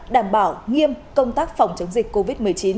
đảm bảo nghiêm công tác phòng chống dịch covid một mươi chín